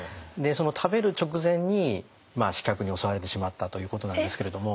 その食べる直前に刺客に襲われてしまったということなんですけれども。